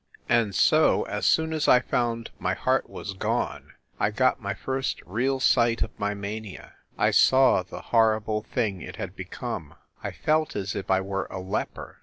And so, as soon as I found my heart was gone, I got my first real sight of my mania I saw the horrible 134 FIND THE WOMAN thing it had become. I felt as if I were a leper.